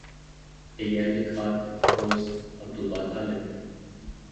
«ئېگەرلىك ئات» ، پوۋېست، ئابدۇللا تالىپ.